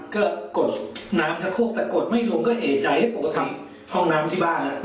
ก็กดน้ำชะโครกแต่กดไม่ลงก็เอ๋ใจให้ผมก็ทำห้องน้ำที่บ้านอะ